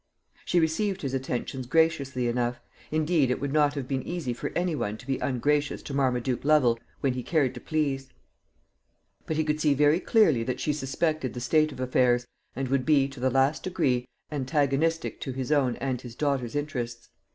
She received his attentions graciously enough indeed it would not have been easy for any one to be ungracious to Marmaduke Lovel when he cared to please but he could see very clearly that she suspected the state of affairs, and would be, to the last degree, antagonistic to his own and his daughter's interests.